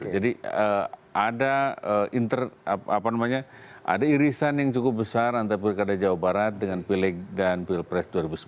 jadi ada inter apa namanya ada irisan yang cukup besar antar pilkada jawa barat dengan pileg dan pilpres dua ribu sembilan belas